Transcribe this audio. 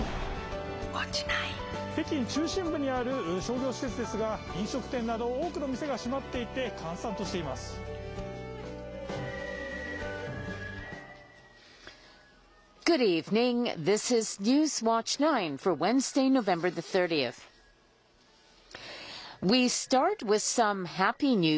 北京中心部にある商業施設ですが、飲食店など、多くの店が閉こんばんは。